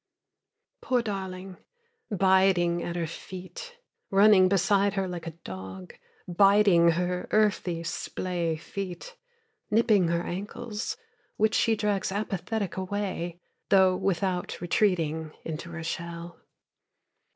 Poor darling, biting at her feet, Running beside her like a dog, biting her earthy, splay feet, Nipping her ankles, Which she drags apathetic away, though without retreating into her shell.